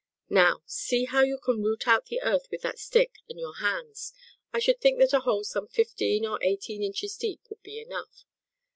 Now, see how you can root out the earth with that stick and your hands. I should think that a hole some fifteen or eighteen inches deep would be enough.